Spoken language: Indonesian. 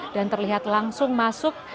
dan terlihat langsung masuk